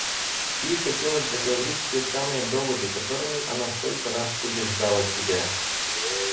Ей хотелось договорить те самые доводы, которыми она столько раз убеждала себя.